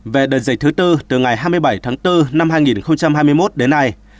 về đợt dịch thứ tư từ ngày hai mươi bảy tháng bốn năm hai nghìn hai mươi một đến nay